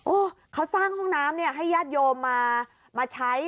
โอ้โหเขาสร้างห้องน้ำให้ญาติโยมมาใช้